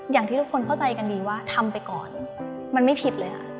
อย่างที่ทุกคนเข้าใจกันดีว่าทำไปก่อนมันไม่ผิดเลย